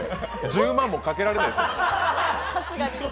１０万もかけられないですよ。